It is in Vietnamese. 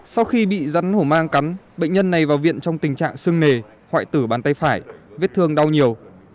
sau khi bị rắn hổ mang cắn bệnh nhân này vào viện trong tình trạng sưng nề hoại tử bàn tay phải vết thương đau nhiều